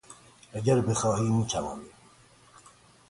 اگر بخواهی میتوانی.